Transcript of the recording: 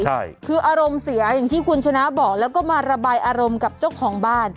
ใช่คืออารมณ์เสียอย่างที่คุณชนะบอกแล้วก็มาระบายอารมณ์กับเจ้าของบ้าน